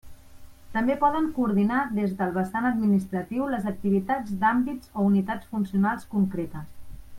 També poden coordinar des del vessant administratiu les activitats d'àmbits o unitats funcionals concretes.